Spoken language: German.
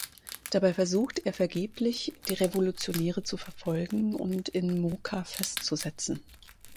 Dabei versucht er vergeblich die Revolutionäre zu verfolgen und in Moca festzusetzen.